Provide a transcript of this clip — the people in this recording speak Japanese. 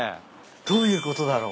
どういうことだろう？